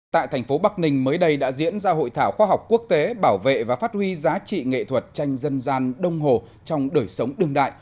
tại thành phố bắc ninh mới đây đã diễn ra hội thảo khoa học quốc tế bảo vệ và phát huy giá trị nghệ thuật tranh dân gian đông hồ trong đời sống đương đại